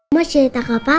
masih tak ke papa